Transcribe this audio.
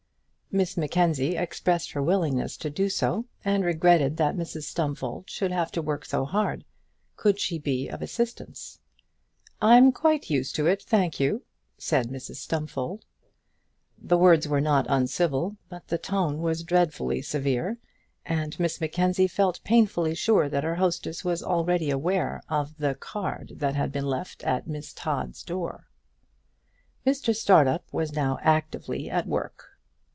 Miss Mackenzie expressed her willingness to do so and regretted that Mrs Stumfold should have to work so hard. Could she be of assistance? "I'm quite used to it, thank you," said Mrs Stumfold. The words were not uncivil, but the tone was dreadfully severe, and Miss Mackenzie felt painfully sure that her hostess was already aware of the card that had been left at Miss Todd's door. Mr Startup was now actively at work.